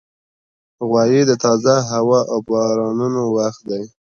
غویی د تازه هوا او بارانونو وخت دی.